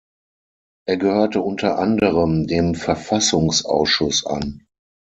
Er gehörte unter anderem dem Verfassungsausschuss an.